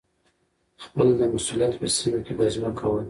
خپل د مسؤلیت په سیمه کي ګزمه کول